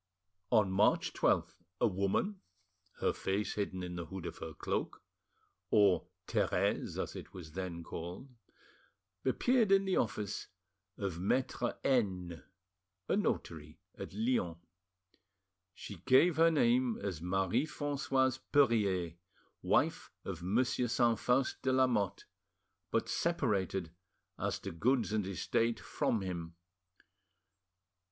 On March 12th, a woman, her face hidden in the hood of her cloak, or "Therese," as it was then called, appeared in the office of Maitre N—— , a notary at Lyons. She gave her name as Marie Francoise Perffier, wife of Monsieur Saint Faust de Lamotte, but separated, as to goods and estate, from him.